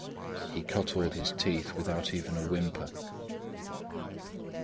He cut all his teeth without even a whimper.